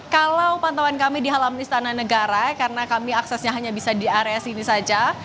kalau pantauan kami di halaman istana negara karena kami aksesnya hanya bisa di area sini saja